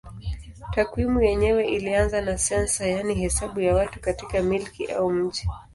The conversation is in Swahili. Takwimu yenyewe ilianza na sensa yaani hesabu ya watu katika milki au mji.